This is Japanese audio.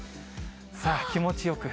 さあ、気持ちよく。